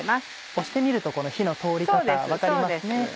押してみるとこの火の通り方分かります。